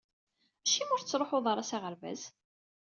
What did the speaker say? Acimi ur tettruḥuḍ ara s aɣerbaz?